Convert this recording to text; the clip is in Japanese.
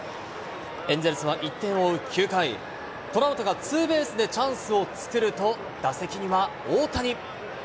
エンゼルスは１点を追う９回、トラウトがツーベースでチャンスを作ると、打席には大谷。